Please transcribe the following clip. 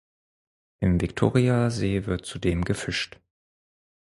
Im Viktoriasee wird zudem gefischt.